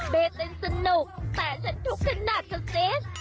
เบเต้นสนุกแต่ฉันทุกขนาดฉันเซส